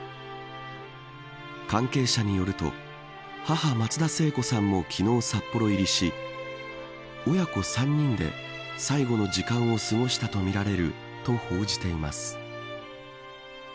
関係者によると母、松田聖子さんも昨日、札幌入りし親子３人で最後の時間を過ごしたとみられると報じています。